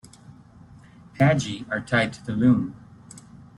"Pagey" are tied to the loom.